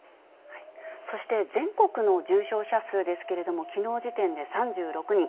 そして全国の重症者数ですけれども、きのう時点で３６人。